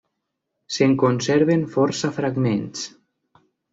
Se'n conserven força fragments.